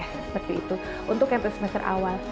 seperti itu untuk yang semester awal